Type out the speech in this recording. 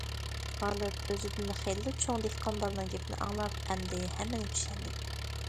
غالىب ئۆزىدىن خېلىلا چوڭ دېھقان بالىنىڭ گېپىنى ئاڭلاپ ئەمدى ھەممىنى چۈشەندى.